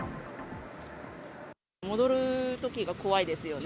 戻るときが怖いですよね。